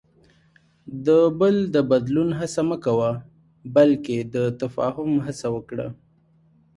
د بل د بدلون هڅه مه کوه، بلکې د تفاهم هڅه وکړه.